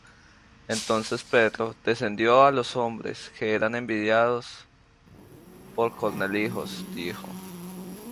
Entonces Pedro, descendiendo á los hombres que eran enviados por Cornelio, dijo: